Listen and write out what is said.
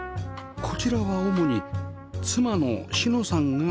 こちらは主に妻の之乃さんが使用します